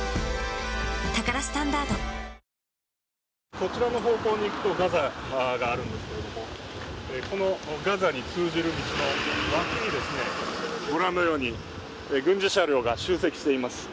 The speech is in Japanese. こちらの方向に行くとガザがあるんですけれども、このガザに通じる道の脇に、ご覧のように軍事車両が集積しています。